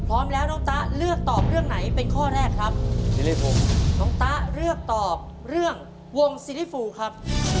พร้อมแล้วน้องตะเลือกตอบเรื่องไหนเป็นข้อแรกครับซิริฟูน้องตะเลือกตอบเรื่องวงซีริฟูครับ